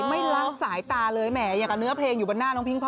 ไม่ละสายตาเลยแหมอย่างกับเนื้อเพลงอยู่บนหน้าน้องพิงพ่อ